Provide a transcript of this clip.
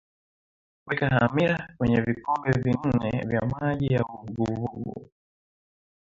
weka hamira kwenye vikombe nne vya maji ya uvuguvugu